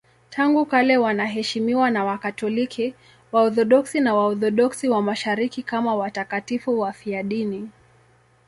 Tangu kale wanaheshimiwa na Wakatoliki, Waorthodoksi na Waorthodoksi wa Mashariki kama watakatifu wafiadini.